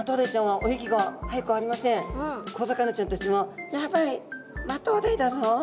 でも小魚ちゃんたちも「やばいマトウダイだぞ。